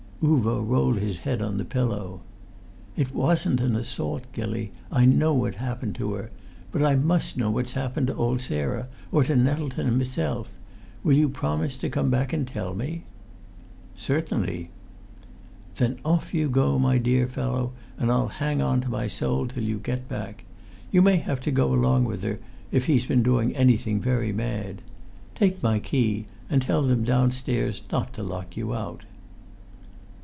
Uvo rolled his head on the pillow. "It wasn't an assault, Gilly. I know what happened to her. But I must know what's happened to old Sarah, or to Nettleton himself. Will you promise to come back and tell me?" "Certainly." "Then off you go, my dear fellow, and I'll hang on to my soul till you get back. You may have to go along with her, if he's been doing anything very mad. Take my key, and tell them downstairs not to lock you out."